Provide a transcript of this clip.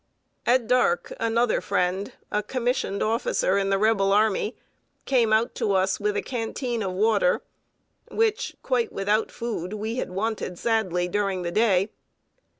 At dark, another friend, a commissioned officer in the Rebel army, came out to us with a canteen of water, which, quite without food, we had wanted sadly during the day.